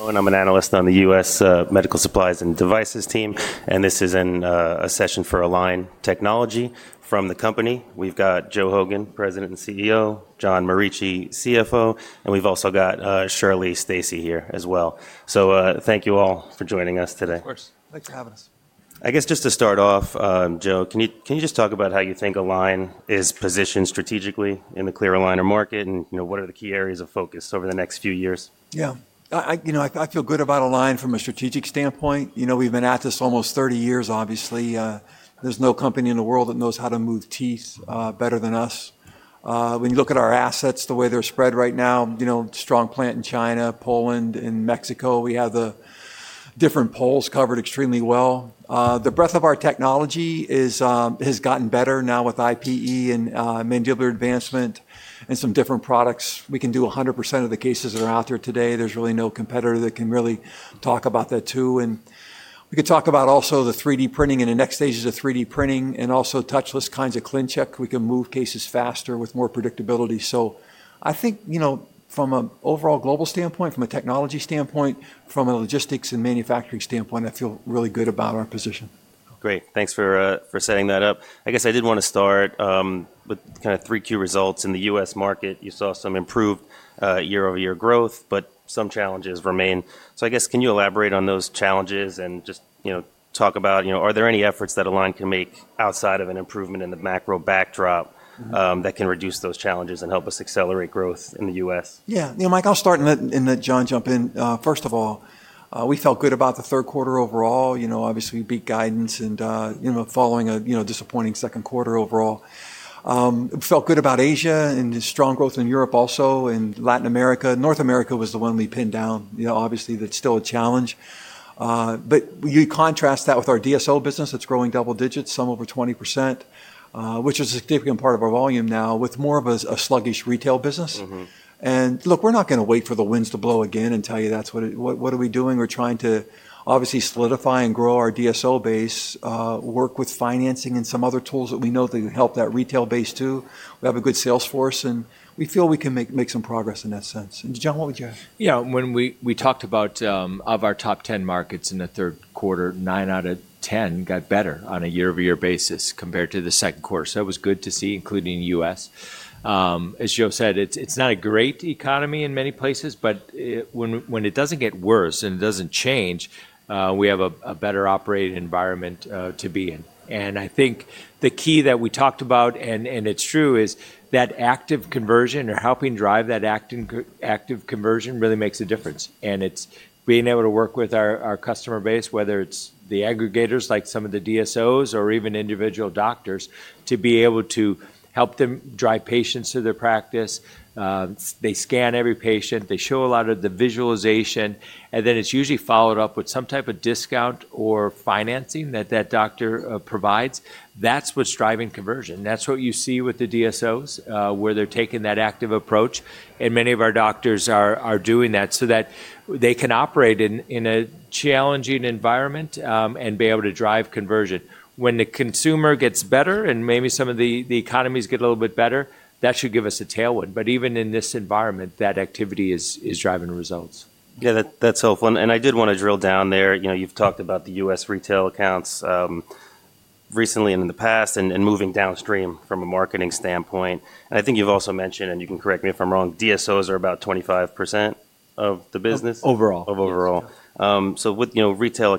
I'm an analyst on the U.S. Medical Supply and Devices team, and this is a session for Align Technology from the company. We've got Joe Hogan, President and CEO; John Morici, CFO; and we've also got Shirley Stacy here as well. Thank you all for joining us today. Of course. Thanks for having us. I guess just to start off, Joe, can you just talk about how you think Align is positioned strategically in the clear aligner market, and what are the key areas of focus over the next few years? Yeah. You know, I feel good about Align from a strategic standpoint. You know, we've been at this almost 30 years, obviously. There's no company in the world that knows how to move teeth better than us. When you look at our assets, the way they're spread right now, you know, strong plant in China, Poland, and Mexico. We have the different poles covered extremely well. The breadth of our technology has gotten better now with IPE and mandibular advancement and some different products. We can do 100% of the cases that are out there today. There's really no competitor that can really talk about that too. You know, we could talk about also the 3D printing and the next stages of 3D printing, and also touchless kinds of clean check. We can move cases faster with more predictability. I think, you know, from an overall global standpoint, from a technology standpoint, from a logistics and manufacturing standpoint, I feel really good about our position. Great. Thanks for setting that up. I guess I did want to start with kind of three key results. In the U.S. market, you saw some improved year-over-year growth, but some challenges remain. I guess, can you elaborate on those challenges and just, you know, talk about, you know, are there any efforts that Align can make outside of an improvement in the macro backdrop that can reduce those challenges and help us accelerate growth in the U.S.? Yeah. You know, Mike, I'll start and let John jump in. First of all, we felt good about the third quarter overall. You know, obviously, we beat guidance and, you know, following a, you know, disappointing second quarter overall. We felt good about Asia and strong growth in Europe also, and Latin America. North America was the one we pinned down. You know, obviously, that's still a challenge. You contrast that with our DSO business that's growing double digits, some over 20%, which is a significant part of our volume now, with more of a sluggish retail business. Look, we're not going to wait for the winds to blow again and tell you that's what we're doing. We're trying to, obviously, solidify and grow our DSO base, work with financing and some other tools that we know that can help that retail base too. We have a good sales force, and we feel we can make some progress in that sense. John, what would you add? Yeah. When we talked about our top 10 markets in the third quarter, 9 out of 10 got better on a year-over-year basis compared to the second quarter. That was good to see, including the U.S. As Joe said, it's not a great economy in many places, but when it doesn't get worse and it doesn't change, we have a better operating environment to be in. I think the key that we talked about, and it's true, is that active conversion or helping drive that active conversion really makes a difference. It's being able to work with our customer base, whether it's the aggregators like some of the DSOs or even individual doctors, to be able to help them drive patients to their practice. They scan every patient. They show a lot of the visualization. And then it's usually followed up with some type of discount or financing that that doctor provides. That's what's driving conversion. That's what you see with the DSOs, where they're taking that active approach. And many of our doctors are doing that so that they can operate in a challenging environment and be able to drive conversion. When the consumer gets better and maybe some of the economies get a little bit better, that should give us a tailwind. Even in this environment, that activity is driving results. Yeah. That's helpful. I did want to drill down there. You know, you've talked about the U.S. retail accounts recently and in the past and moving downstream from a marketing standpoint. I think you've also mentioned, and you can correct me if I'm wrong, DSOs are about 25% of the business. Overall. Of overall. With, you know, retail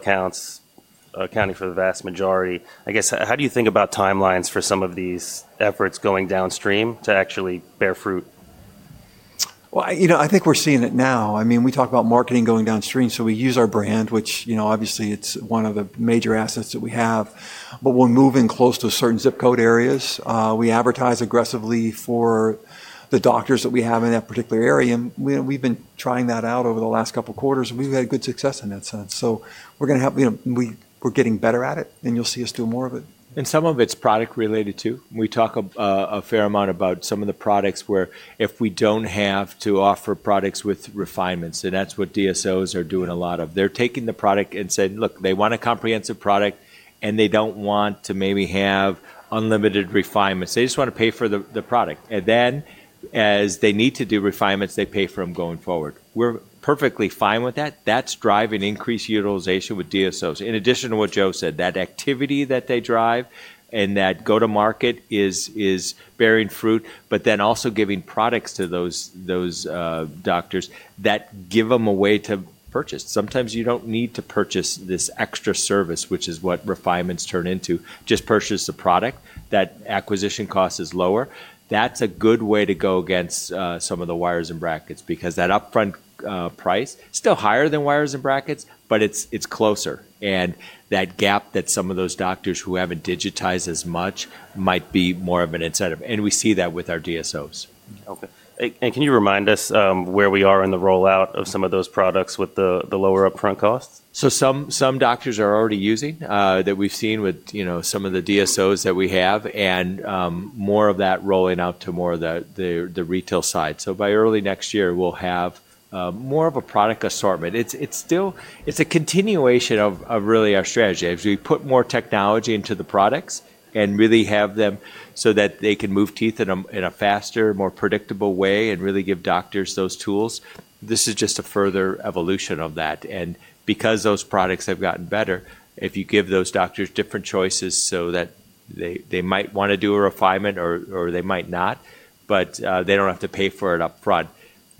accounts accounting for the vast majority, I guess, how do you think about timelines for some of these efforts going downstream to actually bear fruit? You know, I think we're seeing it now. I mean, we talk about marketing going downstream, so we use our brand, which, you know, obviously, it's one of the major assets that we have. But we're moving close to certain zip code areas. We advertise aggressively for the doctors that we have in that particular area. And we've been trying that out over the last couple of quarters. We've had good success in that sense. So we're going to have, you know, we're getting better at it, and you'll see us do more of it. Some of it is product-related too. We talk a fair amount about some of the products where if we do not have to offer products with refinements, and that is what DSOs are doing a lot of. They are taking the product and saying, "Look, they want a comprehensive product, and they do not want to maybe have unlimited refinements. They just want to pay for the product." As they need to do refinements, they pay for them going forward. We are perfectly fine with that. That is driving increased utilization with DSOs. In addition to what Joe said, that activity that they drive and that go-to-market is bearing fruit, but also giving products to those doctors that give them a way to purchase. Sometimes you do not need to purchase this extra service, which is what refinements turn into. Just purchase the product. That acquisition cost is lower. That's a good way to go against some of the wires and brackets because that upfront price is still higher than wires and brackets, but it's closer. That gap that some of those doctors who haven't digitized as much might be more of an incentive. We see that with our DSOs. Okay. Can you remind us where we are in the rollout of some of those products with the lower upfront costs? Some doctors are already using that. We've seen with some of the DSOs that we have and more of that rolling out to more of the retail side. By early next year, we'll have more of a product assortment. It's still a continuation of really our strategy. As we put more technology into the products and really have them so that they can move teeth in a faster, more predictable way and really give doctors those tools, this is just a further evolution of that. Because those products have gotten better, if you give those doctors different choices so that they might want to do a refinement or they might not, but they do not have to pay for it upfront,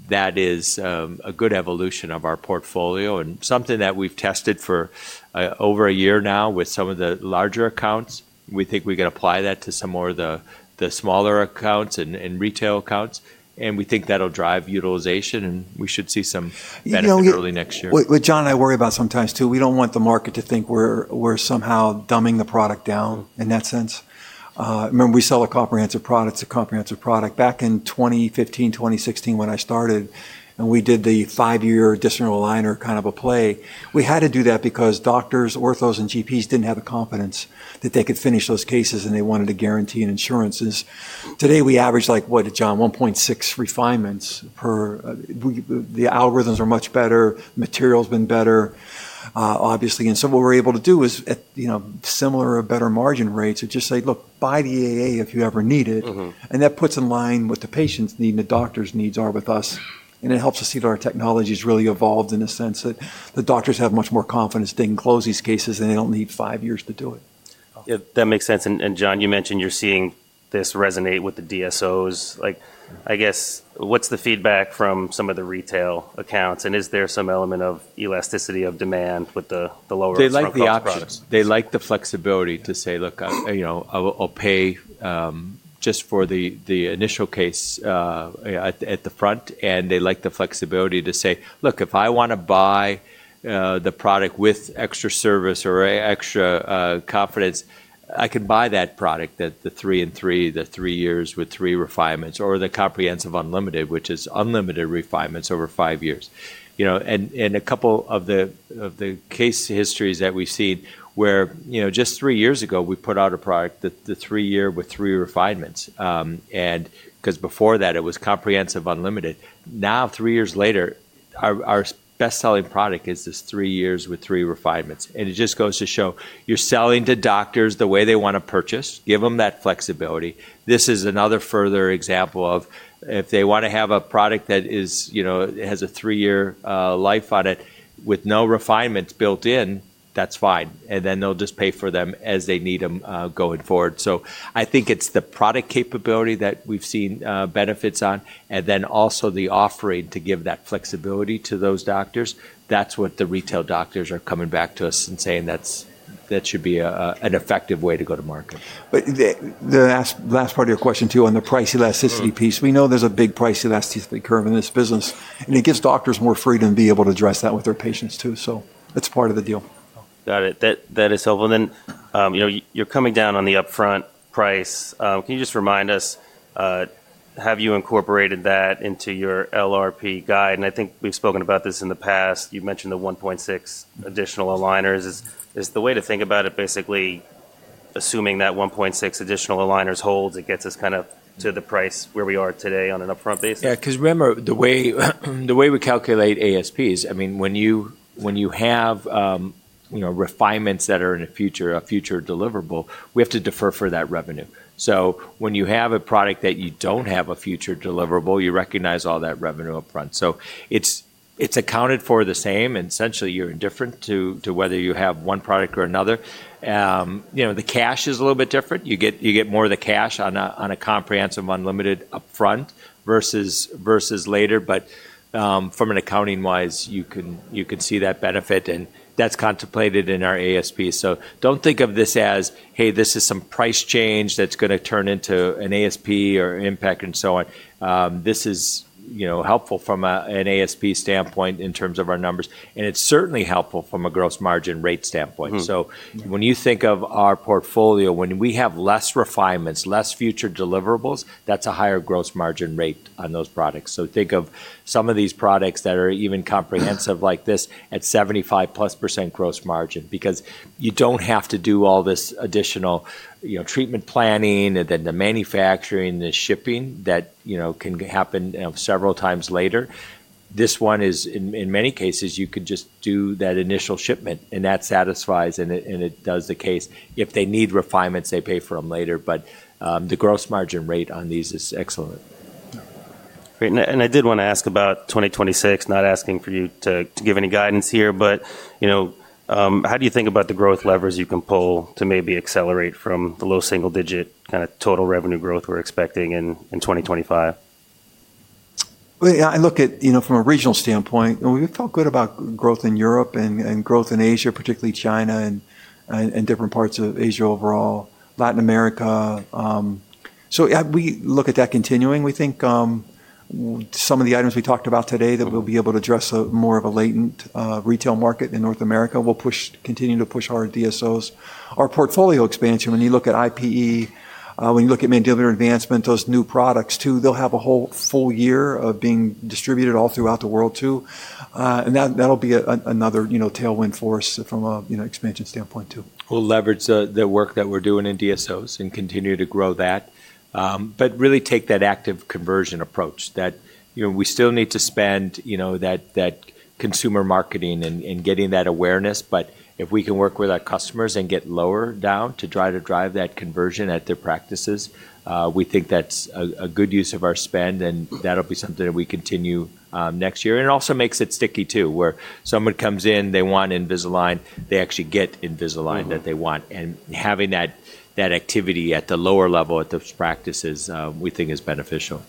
that is a good evolution of our portfolio and something that we have tested for over a year now with some of the larger accounts. We think we can apply that to some more of the smaller accounts and retail accounts. We think that will drive utilization, and we should see some benefit early next year. You know, with John, I worry about sometimes too. We do not want the market to think we are somehow dumbing the product down in that sense. I mean, we sell a comprehensive product, a comprehensive product. Back in 2015, 2016, when I started, and we did the five-year additional aligner kind of a play. We had to do that because doctors, orthos, and GPs did not have the confidence that they could finish those cases, and they wanted to guarantee insurances. Today, we average, like what, John, 1.6 refinements per, the algorithms are much better. Material has been better, obviously. What we are able to do is, you know, similar or better margin rates or just say, "Look, buy the AA if you ever need it." That puts in line what the patients' need and the doctors' needs are with us. It helps us see that our technology's really evolved in the sense that the doctors have much more confidence digging close these cases, and they don't need five years to do it. Yeah, that makes sense. John, you mentioned you're seeing this resonate with the DSOs. I guess, what's the feedback from some of the retail accounts? Is there some element of elasticity of demand with the lower upfront products? They like the options. They like the flexibility to say, "Look, you know, I'll pay just for the initial case at the front." They like the flexibility to say, "Look, if I want to buy the product with extra service or extra confidence, I can buy that product, the three-in-three, the three years with three refinements, or the comprehensive unlimited, which is unlimited refinements over five years." You know, and a couple of the case histories that we've seen where, you know, just three years ago, we put out a product, the three-year with three refinements. Because before that, it was comprehensive unlimited. Now, three years later, our best-selling product is this three years with three refinements. It just goes to show you're selling to doctors the way they want to purchase. Give them that flexibility. This is another further example of if they want to have a product that is, you know, has a three-year life on it with no refinements built in, that's fine. They will just pay for them as they need them going forward. I think it's the product capability that we've seen benefits on, and then also the offering to give that flexibility to those doctors. That's what the retail doctors are coming back to us and saying that should be an effective way to go to market. The last part of your question too on the price elasticity piece, we know there's a big price elasticity curve in this business, and it gives doctors more freedom to be able to address that with their patients too. That's part of the deal. Got it. That is helpful. You know, you're coming down on the upfront price. Can you just remind us, have you incorporated that into your LRP guide? I think we've spoken about this in the past. You've mentioned the 1.6 additional aligners. Is the way to think about it basically assuming that 1.6 additional aligners holds, it gets us kind of to the price where we are today on an upfront basis? Yeah. Because remember, the way we calculate ASPs, I mean, when you have refinements that are in a future deliverable, we have to defer for that revenue. When you have a product that you do not have a future deliverable, you recognize all that revenue upfront. It is accounted for the same. Essentially, you are indifferent to whether you have one product or another. You know, the cash is a little bit different. You get more of the cash on a comprehensive unlimited upfront versus later. From an accounting-wise, you can see that benefit. That is contemplated in our ASP. Do not think of this as, "Hey, this is some price change that is going to turn into an ASP or impact and so on." This is, you know, helpful from an ASP standpoint in terms of our numbers. It is certainly helpful from a gross margin rate standpoint. When you think of our portfolio, when we have less refinements, less future deliverables, that's a higher gross margin rate on those products. Think of some of these products that are even comprehensive like this at 75% plus gross margin because you don't have to do all this additional, you know, treatment planning and then the manufacturing, the shipping that, you know, can happen several times later. This one is, in many cases, you could just do that initial shipment, and that satisfies and it does the case. If they need refinements, they pay for them later. The gross margin rate on these is excellent. Great. I did want to ask about 2026, not asking for you to give any guidance here, but, you know, how do you think about the growth levers you can pull to maybe accelerate from the low single-digit kind of total revenue growth we're expecting in 2025? Yeah, I look at, you know, from a regional standpoint, we felt good about growth in Europe and growth in Asia, particularly China and different parts of Asia overall, Latin America. Yeah, we look at that continuing. We think some of the items we talked about today that we'll be able to address more of a latent retail market in North America will push, continue to push our DSOs. Our portfolio expansion, when you look at IPE, when you look at mandibular advancement, those new products too, they'll have a whole full year of being distributed all throughout the world too. That'll be another, you know, tailwind for us from an expansion standpoint too. will leverage the work that we are doing in DSOs and continue to grow that, but really take that active conversion approach that, you know, we still need to spend, you know, that consumer marketing and getting that awareness. If we can work with our customers and get lower down to try to drive that conversion at their practices, we think that is a good use of our spend, and that will be something that we continue next year. It also makes it sticky too where someone comes in, they want Invisalign, they actually get Invisalign that they want. Having that activity at the lower level at those practices, we think is beneficial.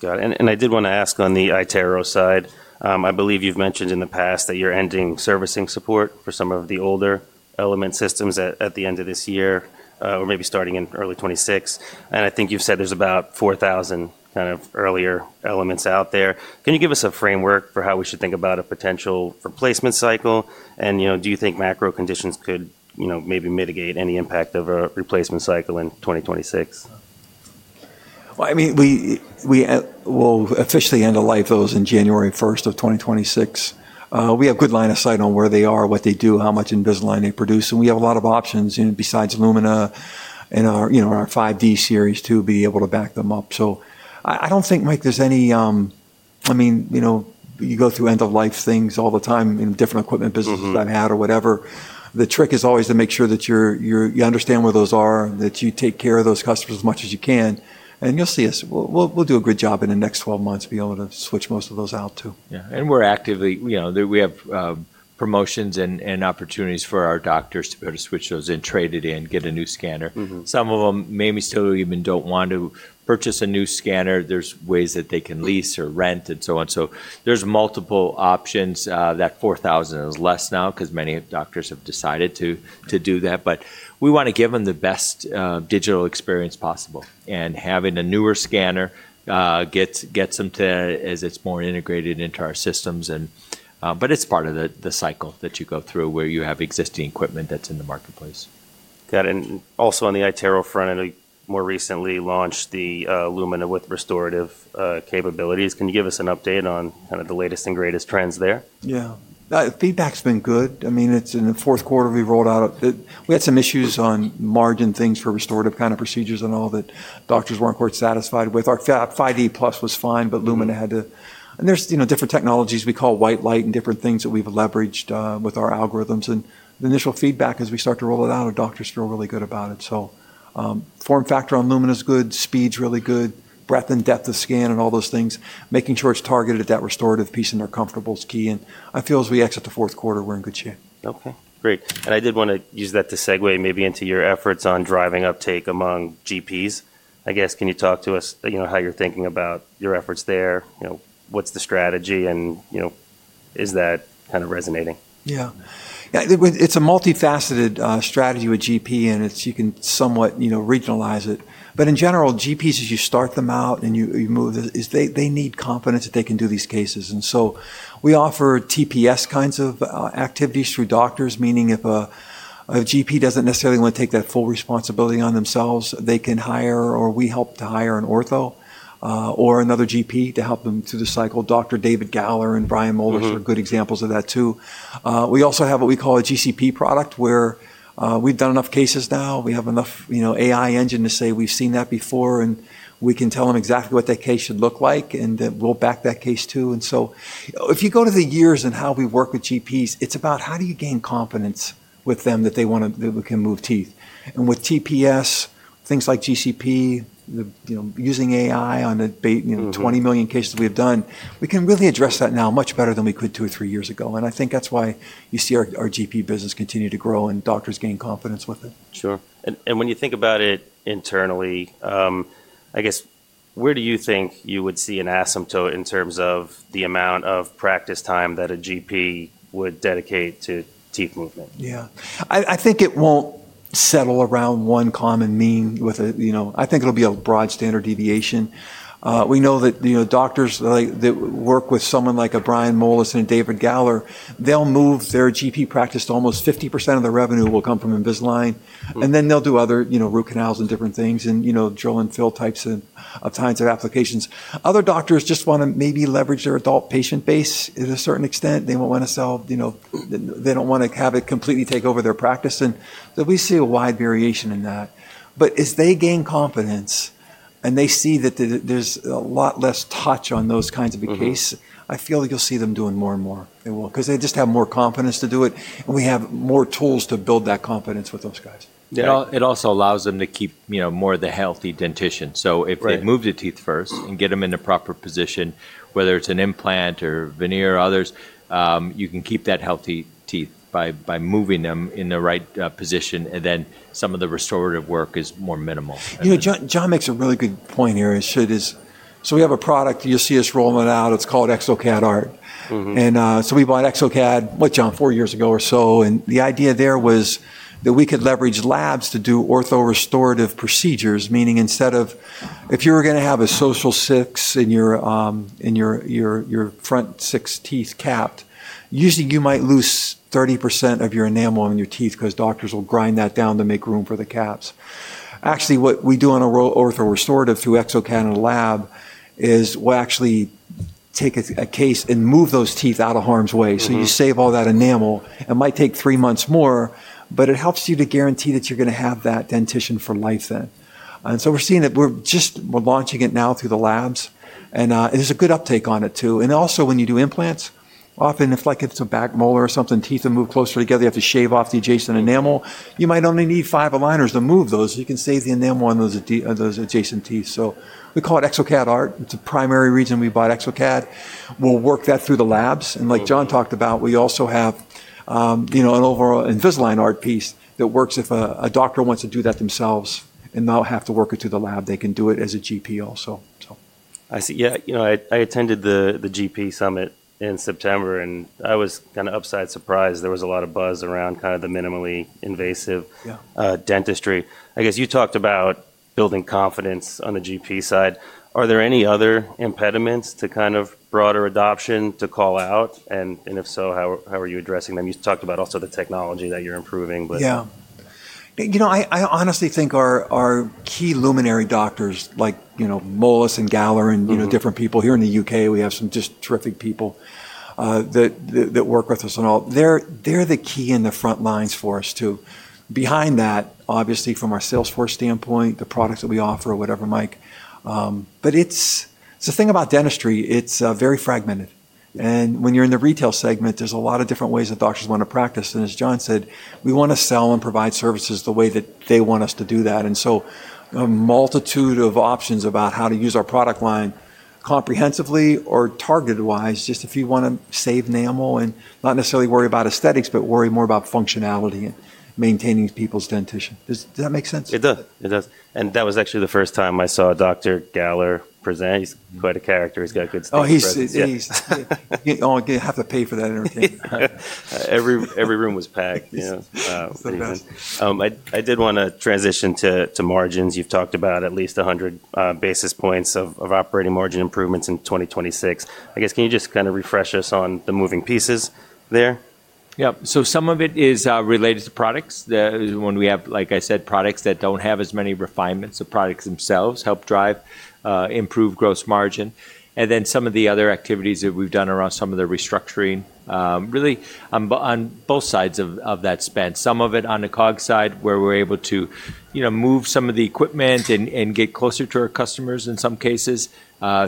That is good. I did want to ask on the iTero side. I believe you've mentioned in the past that you're ending servicing support for some of the older Element systems at the end of this year or maybe starting in early 2026. I think you've said there's about 4,000 kind of earlier Elements out there. Can you give us a framework for how we should think about a potential replacement cycle? You know, do you think macro conditions could, you know, maybe mitigate any impact of a replacement cycle in 2026? I mean, we will officially end the life of those on January 1, 2026. We have a good line of sight on where they are, what they do, how much Invisalign they produce. We have a lot of options, you know, besides Lumina and our, you know, our 5D series to be able to back them up. I do not think, Mike, there is any, I mean, you know, you go through end-of-life things all the time in different equipment businesses I have had or whatever. The trick is always to make sure that you understand where those are, that you take care of those customers as much as you can. You will see us. We will do a good job in the next 12 months to be able to switch most of those out too. Yeah. And we're actively, you know, we have promotions and opportunities for our doctors to be able to switch those in, trade it in, get a new scanner. Some of them maybe still even don't want to purchase a new scanner. There's ways that they can lease or rent and so on. So there's multiple options. That 4,000 is less now because many doctors have decided to do that. We want to give them the best digital experience possible. Having a newer scanner gets them to that as it's more integrated into our systems. It's part of the cycle that you go through where you have existing equipment that's in the marketplace. Got it. Also on the iTero front, I know you more recently launched the Lumina with restorative capabilities. Can you give us an update on kind of the latest and greatest trends there? Yeah. Feedback's been good. I mean, it's in the fourth quarter we rolled out. We had some issues on margin things for restorative kind of procedures and all that doctors weren't quite satisfied with. Our 5D Plus was fine, but Lumina had to. There's, you know, different technologies we call white light and different things that we've leveraged with our algorithms. The initial feedback as we start to roll it out, doctors feel really good about it. Form factor on Lumina's good, speed's really good, breadth and depth of scan and all those things. Making sure it's targeted at that restorative piece and our comfortable's key. I feel as we exit the fourth quarter, we're in good shape. Okay. Great. I did want to use that to segue maybe into your efforts on driving uptake among GPs. I guess can you talk to us, you know, how you're thinking about your efforts there? You know, what's the strategy and, you know, is that kind of resonating? Yeah. Yeah. It's a multifaceted strategy with GP and it's, you can somewhat, you know, regionalize it. But in general, GPs, as you start them out and you move, they need confidence that they can do these cases. And so we offer TPS kinds of activities through doctors, meaning if a GP doesn't necessarily want to take that full responsibility on themselves, they can hire or we help to hire an ortho or another GP to help them through the cycle. Dr. David Galler and Brian Molish are good examples of that too. We also have what we call a GCP product where we've done enough cases now. We have enough, you know, AI engine to say we've seen that before and we can tell them exactly what that case should look like and we'll back that case too. If you go to the years and how we work with GPs, it's about how do you gain confidence with them that they want to, that we can move teeth. With TPS, things like GCP, you know, using AI on the, you know, 20 million cases we have done, we can really address that now much better than we could two or three years ago. I think that's why you see our GP business continue to grow and doctors gain confidence with it. Sure. When you think about it internally, I guess where do you think you would see an asymptote in terms of the amount of practice time that a GP would dedicate to teeth movement? Yeah. I think it won't settle around one common mean with a, you know, I think it'll be a broad standard deviation. We know that, you know, doctors that work with someone like a Brian Molish and a David Galler, they'll move their GP practice to almost 50% of the revenue will come from Invisalign. And then they'll do other, you know, root canals and different things and, you know, drill and fill types of kinds of applications. Other doctors just want to maybe leverage their adult patient base to a certain extent. They won't want to sell, you know, they don't want to have it completely take over their practice. We see a wide variation in that. As they gain confidence and they see that there's a lot less touch on those kinds of a case, I feel you'll see them doing more and more. They will because they just have more confidence to do it. We have more tools to build that confidence with those guys. Yeah. It also allows them to keep, you know, more of the healthy dentition. If they move the teeth first and get them in a proper position, whether it's an implant or veneer or others, you can keep that healthy teeth by moving them in the right position and then some of the restorative work is more minimal. You know, John makes a really good point here. We have a product you'll see us rolling out. It's called Exocad Art. We bought Exocad with John four years ago or so. The idea there was that we could leverage labs to do ortho-restorative procedures, meaning instead of if you were going to have a social six in your front six teeth capped, usually you might lose 30% of your enamel on your teeth because doctors will grind that down to make room for the caps. Actually, what we do on an ortho-restorative through Exocad and a lab is we'll actually take a case and move those teeth out of harm's way. You save all that enamel. It might take three months more, but it helps you to guarantee that you're going to have that dentition for life then. We're seeing that we're just launching it now through the labs. There's a good uptake on it too. Also, when you do implants, often it's like if it's a back molar or something, teeth that move closer together, you have to shave off the adjacent enamel. You might only need five aligners to move those. You can save the enamel on those adjacent teeth. We call it Exocad Art. It's a primary reason we bought Exocad. We'll work that through the labs. Like John talked about, we also have, you know, an overall Invisalign Art piece that works if a doctor wants to do that themselves and not have to work it through the lab. They can do it as a GP also. I see. Yeah. You know, I attended the GP Summit in September and I was kind of upside surprised. There was a lot of buzz around kind of the minimally invasive dentistry. I guess you talked about building confidence on the GP side. Are there any other impediments to kind of broader adoption to call out? If so, how are you addressing them? You talked about also the technology that you're improving, but. Yeah. You know, I honestly think our key luminary doctors like, you know, Molish and Galler and, you know, different people here in the U.K., we have some just terrific people that work with us and all. They're the key in the front lines for us too. Behind that, obviously from our Salesforce standpoint, the products that we offer or whatever, Mike. It's the thing about dentistry, it's very fragmented. When you're in the retail segment, there's a lot of different ways that doctors want to practice. As John said, we want to sell and provide services the way that they want us to do that. A multitude of options about how to use our product line comprehensively or targeted-wise, just if you want to save enamel and not necessarily worry about aesthetics, but worry more about functionality and maintaining people's dentition. Does that make sense? It does. It does. That was actually the first time I saw Dr. Galler present. He's quite a character. He's got good stuff. Oh, you have to pay for that interview. Every room was packed. Wow. I did want to transition to margins. You've talked about at least 100 basis points of operating margin improvements in 2026. I guess can you just kind of refresh us on the moving pieces there? Yeah. Some of it is related to products. When we have, like I said, products that do not have as many refinements, the products themselves help drive improved gross margin. Some of the other activities that we have done around some of the restructuring, really on both sides of that span. Some of it on the COG side where we are able to, you know, move some of the equipment and get closer to our customers in some cases,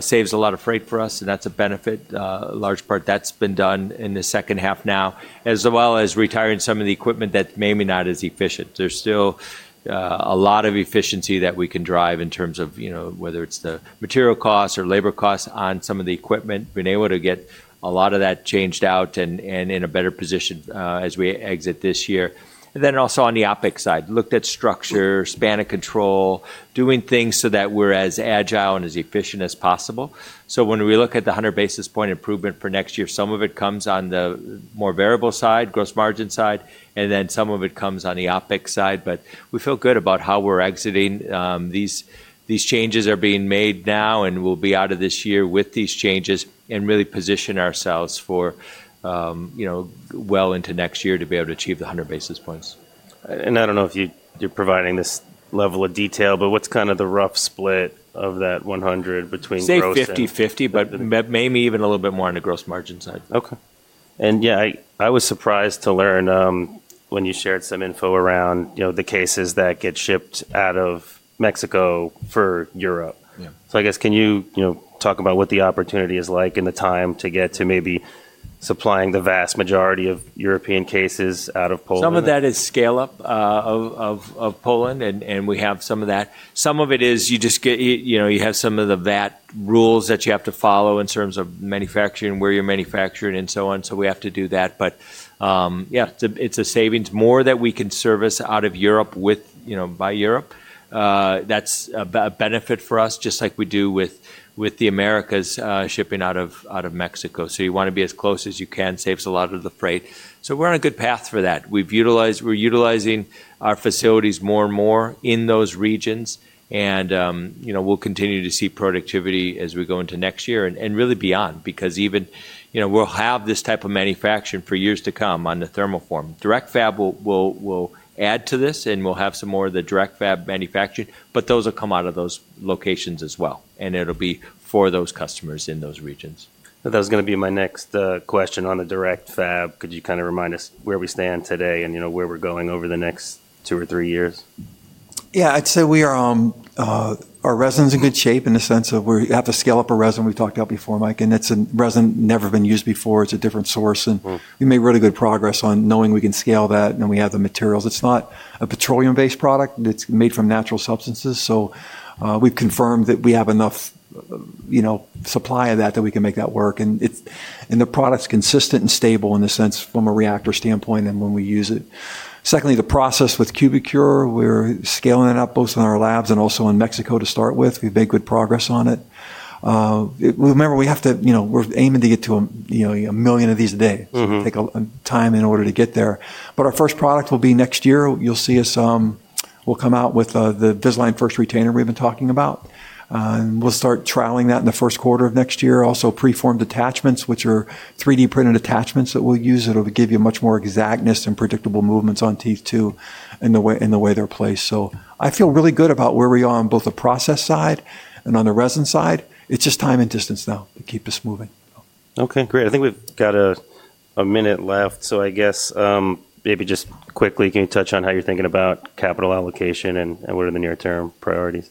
saves a lot of freight for us. That is a benefit. A large part that has been done in the second half now, as well as retiring some of the equipment that may be not as efficient. There's still a lot of efficiency that we can drive in terms of, you know, whether it's the material costs or labor costs on some of the equipment, been able to get a lot of that changed out and in a better position as we exit this year. Also on the OpEx side, looked at structure, span of control, doing things so that we're as agile and as efficient as possible. When we look at the 100 basis point improvement for next year, some of it comes on the more variable side, gross margin side, and then some of it comes on the OpEx side. We feel good about how we're exiting. These changes are being made now and we'll be out of this year with these changes and really position ourselves for, you know, well into next year to be able to achieve the 100 basis points. I don't know if you're providing this level of detail, but what's kind of the rough split of that 100 between gross and. Say 50-50, but maybe even a little bit more on the gross margin side. Okay. Yeah, I was surprised to learn when you shared some info around, you know, the cases that get shipped out of Mexico for Europe. I guess can you, you know, talk about what the opportunity is like and the time to get to maybe supplying the vast majority of European cases out of Poland? Some of that is scale-up of Poland and we have some of that. Some of it is you just get, you know, you have some of the VAT rules that you have to follow in terms of manufacturing and where you're manufactured and so on. We have to do that. Yeah, it's a savings. More that we can service out of Europe with, you know, by Europe, that's a benefit for us just like we do with the Americas shipping out of Mexico. You want to be as close as you can, saves a lot of the freight. We're on a good path for that. We're utilizing our facilities more and more in those regions. You know, we'll continue to see productivity as we go into next year and really beyond because even, you know, we'll have this type of manufacturing for years to come on the thermoform. DirectFab will add to this and we'll have some more of the DirectFab manufacturing, but those will come out of those locations as well. It'll be for those customers in those regions. That was going to be my next question on the DirectFab. Could you kind of remind us where we stand today and, you know, where we're going over the next two or three years? Yeah. I'd say we are, our resin's in good shape in the sense of we have to scale up a resin we talked about before, Mike. And it's a resin never been used before. It's a different source. And we made really good progress on knowing we can scale that and we have the materials. It's not a petroleum-based product. It's made from natural substances. So we've confirmed that we have enough, you know, supply of that that we can make that work. And the product's consistent and stable in the sense from a reactor standpoint and when we use it. Secondly, the process with Cubicure, we're scaling it up both in our labs and also in Mexico to start with. We've made good progress on it. Remember, we have to, you know, we're aiming to get to a million of these a day. It's going to take time in order to get there. Our first product will be next year. You'll see us, we'll come out with the Invisalign first retainer we've been talking about. We'll start trialing that in the first quarter of next year. Also pre-formed attachments, which are 3D printed attachments that we'll use. It'll give you much more exactness and predictable movements on teeth too in the way they're placed. I feel really good about where we are on both the process side and on the resin side. It's just time and distance now to keep us moving. Okay. Great. I think we've got a minute left. I guess maybe just quickly, can you touch on how you're thinking about capital allocation and what are the near-term priorities?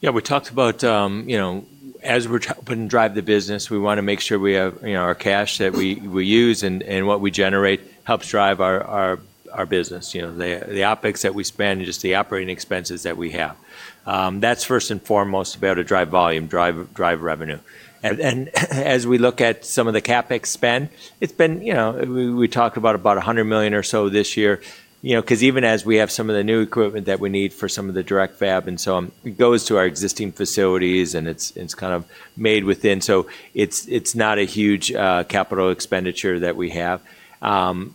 Yeah. We talked about, you know, as we're helping drive the business, we want to make sure we have, you know, our cash that we use and what we generate helps drive our business. You know, the OpEx that we spend and just the operating expenses that we have. That's first and foremost about to drive volume, drive revenue. As we look at some of the CapEx spend, it's been, you know, we talked about about $100 million or so this year. You know, because even as we have some of the new equipment that we need for some of the DirectFab and so on, it goes to our existing facilities and it's kind of made within. It's not a huge capital expenditure that we have.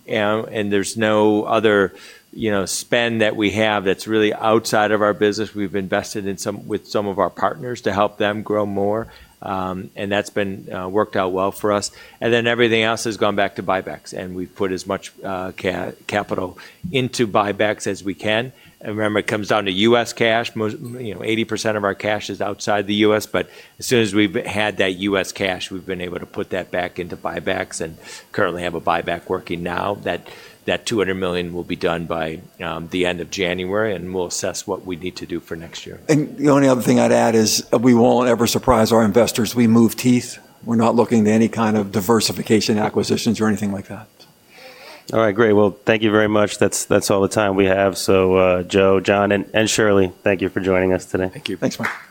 There's no other, you know, spend that we have that's really outside of our business. We've invested in some with some of our partners to help them grow more. That's been worked out well for us. Everything else has gone back to buybacks. We've put as much capital into buybacks as we can. Remember, it comes down to U.S. cash. You know, 80% of our cash is outside the U.S. As soon as we've had that U.S. cash, we've been able to put that back into buybacks and currently have a buyback working now. That $200 million will be done by the end of January. We'll assess what we need to do for next year. The only other thing I'd add is we won't ever surprise our investors. We move teeth. We're not looking to any kind of diversification acquisitions or anything like that. All right. Great. Thank you very much. That's all the time we have. Joe, John, and Shirley, thank you for joining us today. Thank you. Thanks, Mark.